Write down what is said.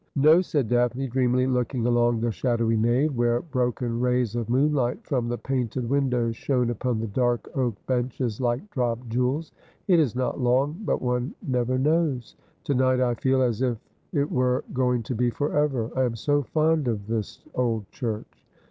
' No,' said Daphne dreamily, looking along the shadowy nave, where broken rays of moonlight from the painted windows shone upon the dark oak benches like dropped jewels. ' It is not long ; but one never knows. To night I feel as if it were going to be for ever. I am so fond of this old church.'